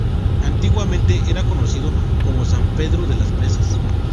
Antiguamente era conocido como San Pedro de las Presas.